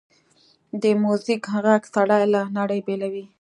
د میوزیک ږغ سړی له نړۍ بېلوي.